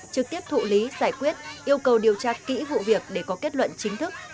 trực tiếp thụ lý giải quyết yêu cầu điều tra kỹ vụ việc để có kết luận chính thức